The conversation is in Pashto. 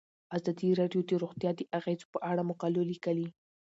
ازادي راډیو د روغتیا د اغیزو په اړه مقالو لیکلي.